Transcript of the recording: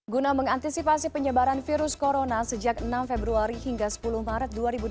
guna mengantisipasi penyebaran virus corona sejak enam februari hingga sepuluh maret dua ribu dua puluh